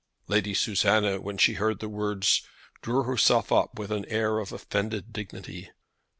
Lady Susanna, when she heard the words, drew herself up with an air of offended dignity.